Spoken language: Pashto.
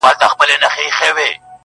چي کوس ئې کولای سي ، اولس ئې نه سي کولای.